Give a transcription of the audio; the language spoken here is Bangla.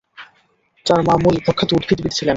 তার মা মলি প্রখ্যাত উদ্ভিদবিদ ছিলেন।